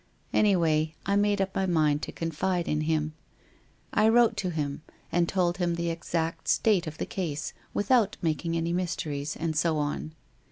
Anyway, I made up my mind to confide in him. I wrote to him, and told him the exact state of the case, without making any mysteries, and so on.